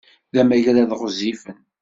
D amagrad ɣezzifen!